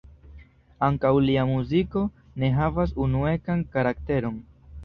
Ankaŭ lia muziko ne havas unuecan karakteron.